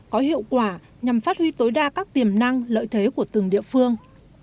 có hiệu quả nhằm phát huy tối đa các tiềm năng lợi thế của từng địa phương